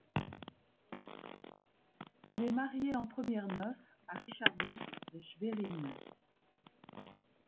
Il est marié en premières noces à Richardis de Schwerin.